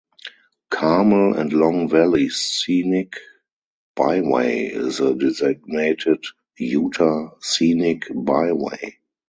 Carmel and Long Valley Scenic Byway is a designated Utah Scenic Byway.